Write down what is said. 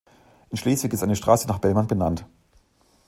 In Schleswig ist eine Straße nach Bellmann benannt.